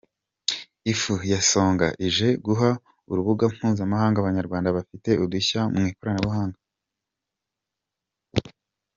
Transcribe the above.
Ifu Yasonga ije guha urubuga mpuzamahanga Abanyarwanda bafite udushya mu Ikoranabuhanga